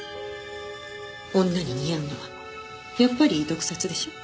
女に似合うのはやっぱり毒殺でしょ？